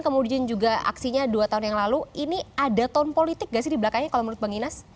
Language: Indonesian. kemudian juga aksinya dua tahun yang lalu ini ada tahun politik gak sih di belakangnya kalau menurut bang inas